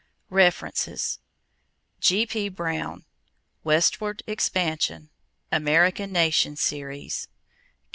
=References= G.P. Brown, Westward Expansion (American Nation Series).